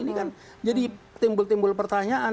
ini kan jadi timbul timbul pertanyaan